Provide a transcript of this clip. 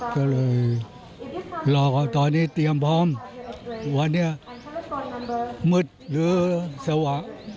ก็เลยรอว่าตอนนี้เตรียมพร้อมวันนี้มืดหรือสวะ